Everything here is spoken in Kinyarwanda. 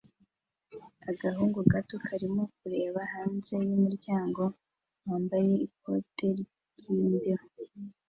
Agahungu gato karimo kureba hanze yumuryango wambaye ikote ryimbeho